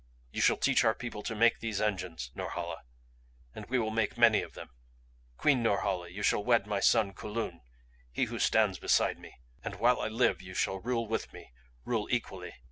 "You shall teach our people to make these engines, Norhala, and we will make many of them. Queen Norhala you shall wed my son Kulun, he who stands beside me. And while I live you shall rule with me, rule equally.